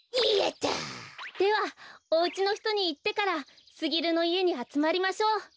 やった！ではおうちのひとにいってからすぎるのいえにあつまりましょう。